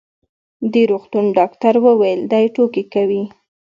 د روغتون ډاکټر وویل: دی ټوکې کوي.